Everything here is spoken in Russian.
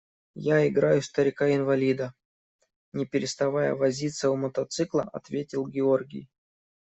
– Я играю старика инвалида, – не переставая возиться у мотоцикла, ответил Георгий.